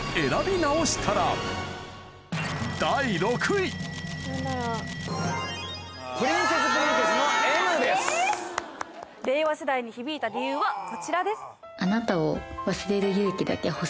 第６位令和世代に響いた理由はこちらです。